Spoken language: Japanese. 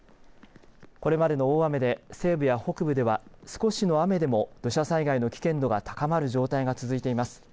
これまでの大雨で西部や北部では少しの雨でも土砂災害の危険度が高まる状態が続いています。